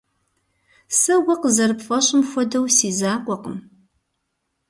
Сэ, уэ къызэрыпфӀэщӀым хуэдэу, си закъуэкъым.